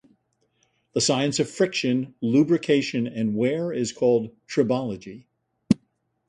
The science of friction, lubrication and wear is called tribology.